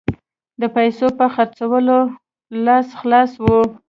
د پیسو په خرڅولو لاس خلاص وو.